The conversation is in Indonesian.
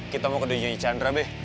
kita mau kedujunya chandra be